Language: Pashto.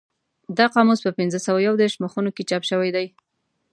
دا قاموس په پینځه سوه یو دېرش مخونو کې چاپ شوی دی.